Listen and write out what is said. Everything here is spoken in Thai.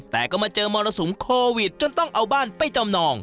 แต่ก็มาเจอมรสุมโควิดจนต้องเอาบ้านไปจำนอง